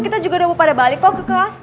kita juga udah mau pada balik kok ke kelas